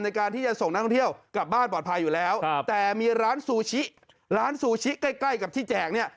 ในการที่จะส่งนักท่องเที่ยวกลับบ้านปลอดภัยอยู่แล้วแต่มีร้านซูชิร้านซูชิใกล้ใกล้กับที่แจกเนี่ย